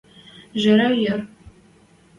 Жерӓ йӹр.